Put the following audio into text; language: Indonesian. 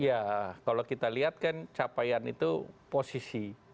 ya kalau kita lihat kan capaian itu posisi